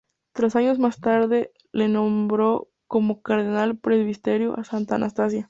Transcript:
Tres años más tarde, le nombró como cardenal presbítero de Santa Anastasia.